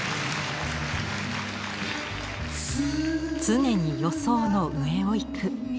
常に予想の上を行く。